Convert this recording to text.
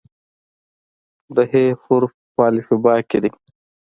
د "ح" حرف په الفبا کې دی.